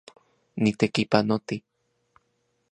Nitekipanoti